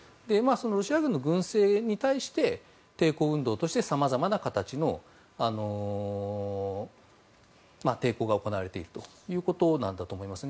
ロシア軍の軍政に対して抵抗運動として様々な形の抵抗が行われているということなんだと思います。